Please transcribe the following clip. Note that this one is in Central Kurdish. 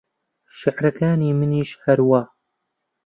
شێعرەکانی منیش هەروا